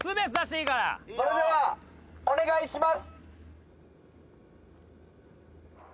それではお願いします。